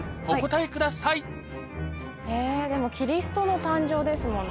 えぇでもキリストの誕生ですもんね。